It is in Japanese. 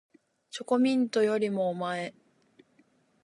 チョコミントよりもおまえ